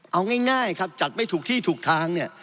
เอาง่ายครับจัดไม่ถูกที่ถูกทางเนี่ย